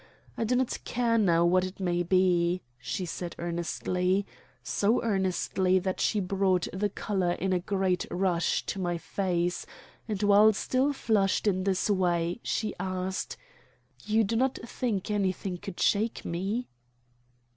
I do not care now what it may be," she said earnestly, so earnestly that she brought the color in a great rush to my face, and while still flushed in this way she asked: "You do not think anything could shake me?"